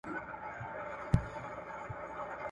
بله دا چي نارينه په جهاد، سفرونو او نورو پيښو کي شهيدانيږي.